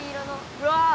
うわ！